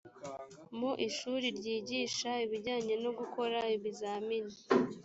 mu ishuri ryigisha ibijyanye no gukora ibizamini